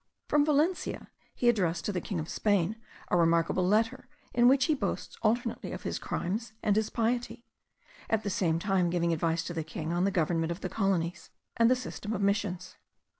From Valencia he addressed to the king of Spain, a remarkable letter, in which he boasts alternately of his crimes and his piety; at the same time giving advice to the king on the government of the colonies, and the system of missions.